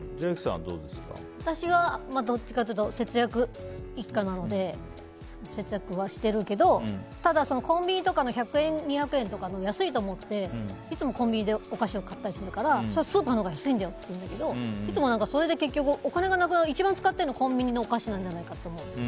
私はどっちかというと節約一家なので節約はしてるけどただ、コンビニとかの１００円２００円とかの安いと思って、いつもコンビニでお菓子を買ったりするからスーパーのほうが安いんだよって言うんだけど結局、一番使ってるのコンビニのお菓子なんじゃないかと思う。